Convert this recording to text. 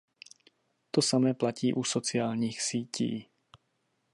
To samé platí u sociálních sítí.